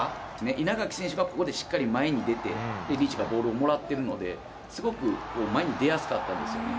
稲垣選手がここでしっかり前に出て、リーチがボールをもらってるので、すごく前に出やすかったんですよね。